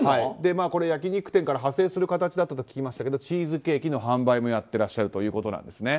焼き肉店から派生する形と聞きましたがチーズケーキの販売もやっていらっしゃるということですね。